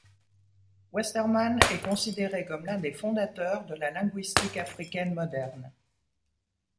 Westermann est considéré comme l'un des fondateurs de la linguistique africaine moderne.